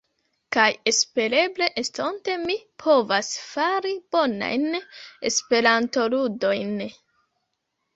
Kaj espereble estonte mi povas fari bonajn Esperantoludojn.